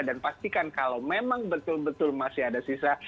dan pastikan kalau memang betul betul masih ada sisa